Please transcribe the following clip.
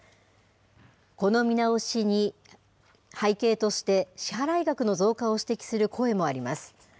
この見直しに、背景として支払額の増加を指摘する声もあります。